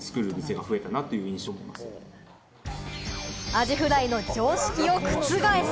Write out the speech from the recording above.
アジフライの常識を覆す！